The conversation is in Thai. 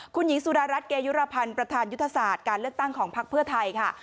คุณหญิงสุดารัฐเกยุรพันธ์ประธานยุทธศาสตร์การเลือกตั้งของพักเพื่อไทยค่ะ